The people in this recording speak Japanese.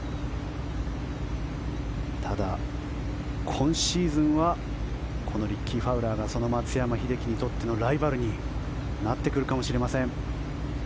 ただ、今シーズンはこのリッキー・ファウラーがその松山英樹にとってのライバルになってくるかもしれません。